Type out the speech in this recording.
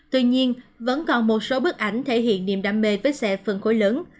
tuy nhiên vẫn còn một số bức ảnh thể hiện niềm đam mê với xe phân khối lớn